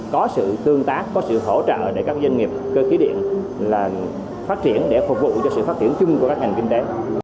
có sự tương tác có sự hỗ trợ để các doanh nghiệp cơ khí điện phát triển để phục vụ cho sự phát triển chung của các ngành kinh tế